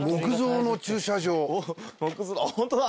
ホントだ。